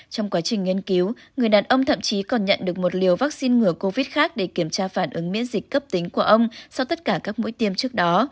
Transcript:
trong quá trình nghiên cứu người đàn ông thậm chí còn nhận được một liều vaccine ngừa covid khác để kiểm tra phản ứng miễn dịch cấp tính của ông sau tất cả các mũi tiêm trước đó